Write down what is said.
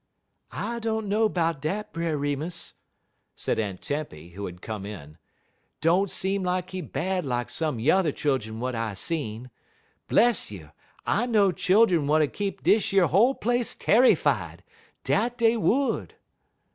"I dunno 'bout dat, Brer Remus," said Aunt Tempy, who had come in. "Don't seem like he bad like some yuther childun w'at I seen. Bless you, I know childun w'at'd keep dish yer whole place tarryfied dat dey would!"